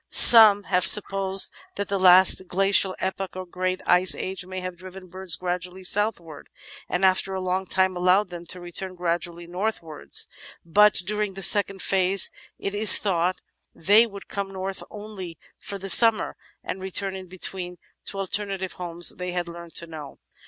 Some have supposed that the last Glacial Epoch, or Great Ice Age, may have driven birds gradually southwards, and after a long time allowed them to return gradually northwards: but during the second phase, it is thought, they 'would come north only for the simimer and return in between to the alternative home they had learnt to know.